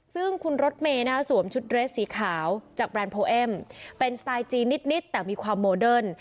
ซึ่งคุณรถเมย์สวมชุดเรสสีขาวจากแบรนด์โพเอ็มเป็นสไตล์จีนนิดแต่มีความโมเดิร์น